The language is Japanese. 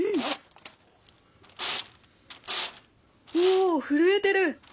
お震えてる！